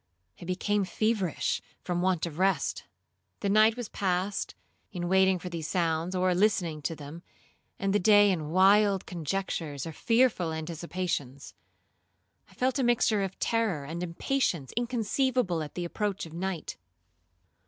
I became feverish from want of rest. The night was passed in watching for these sounds, or listening to them, and the day in wild conjectures or fearful anticipations. I felt a mixture of terror and impatience inconceivable at the approach of night.